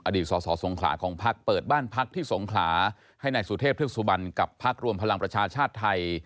อดีตส่อส่อทรงขลาของภักดิ์เปิดบ้านภักดิ์ที่ทรงขลาให้นายสุเทพธริกสุบันกับภักดิ์รวมพลังประชาชาชาติไทย